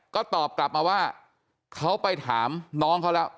ก็ตอบกลับมาว่าเขาไปถามน้องเขาแล้ว